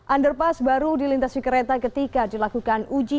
underpass baru dilintasi kereta ketika dilakukan uji